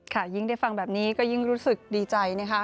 ยิ่งได้ฟังแบบนี้ก็ยิ่งรู้สึกดีใจนะคะ